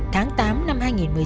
tháng tám năm hai nghìn một mươi sáu